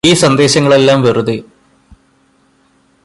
ഈ സന്ദേശങ്ങളെല്ലാം വെറുതെ